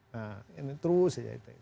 nah ini terus